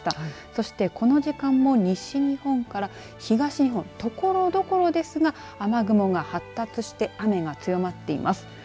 そしてこの時間も西日本から東日本ところどころですが雨雲が発達して雨が強まっています。